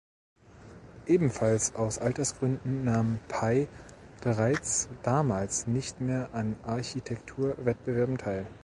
Ebenfalls aus Altersgründen nahm Pei bereits damals nicht mehr an Architekturwettbewerben teil.